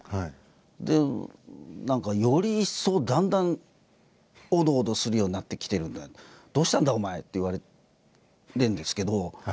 で何かより一層だんだんオドオドするようになってきてるんで「どうしたんだ？お前」って言われるんですけど。